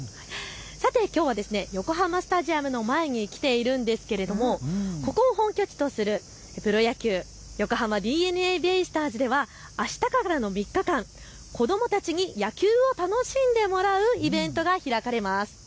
さて、きょうは横浜スタジアムの前に来ているんですけれどもここを本拠地とするプロ野球、横浜ＤｅＮＡベイスターズではあしたからの３日間、子どもたちに野球を楽しんでもらうイベントが開かれます。